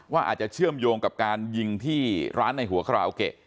อาจจะเชื่อมโยงกับการยิงที่ร้านในหัวคาราโอเกะ